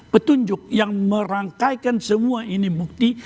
petunjuk yang merangkaikan semua ini bukti